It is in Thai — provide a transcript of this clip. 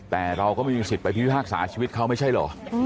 แต่เราก็มีสิทธิ์ไปพิพิภาคสาชีวิตเค้าไม่ใช่หรอ